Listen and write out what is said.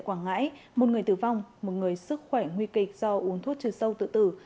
quảng ngãi một người tử vong một người sức khỏe nguy kịch do uống thuốc trừ sâu tự tử